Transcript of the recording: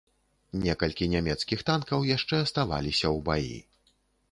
Некалькі нямецкіх танкаў яшчэ аставаліся ў баі.